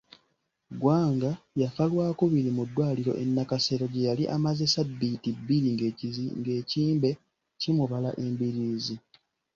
Gwanga yafa Lwakubiri mu ddwaliro e Nakasero gye yali amaze ssabbiiti bbiri ng'ekimbe kimubala embiriizi.